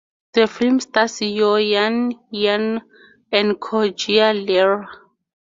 The film stars Yeo Yann Yann and Koh Jia Ler.